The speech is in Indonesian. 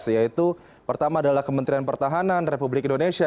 yaitu pertama adalah kementerian pertahanan republik indonesia